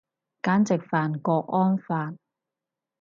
簡直犯郭安發